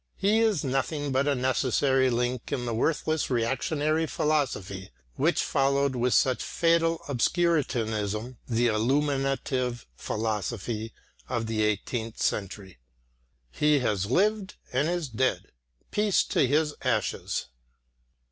He is nothing but a necessary link in the worthless reactionary philosophy which followed with such fatal obscurantism the "illuminative" philosophy of the eighteenth century. He has lived and is dead. Peace to his ashes!